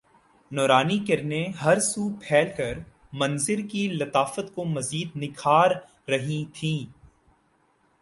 نورانی کرنیں ہر سو پھیل کر منظر کی لطافت کو مزید نکھار رہی تھیں